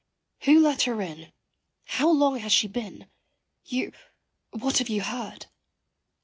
Who let her in? how long has she been? you what have you heard?